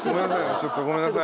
ちょっとごめんなさい。